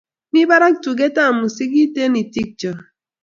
mi barak tugetab musikit eng' itikcho